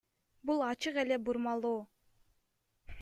Бул ачык эле бурмалоо.